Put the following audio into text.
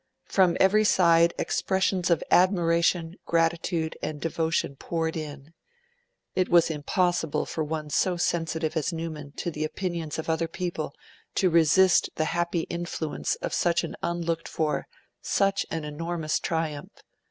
From every side expressions of admiration, gratitude, and devotion poured in. It was impossible for one so sensitive as Newman to the opinions of other people to resist the happy influence of such an unlooked for, such an enormous triumph.